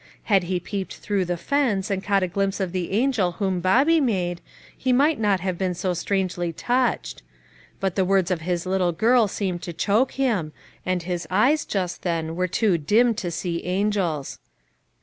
Had he peeped through the fence and caught a glimpse of the angel whom Bobby made, he might not have been so strangely touched ; but THE LITTLE PICTUEE MAKERS. 245 the words of his little girl seemed to choke him, and his eyes, just then, were too dim to see angels.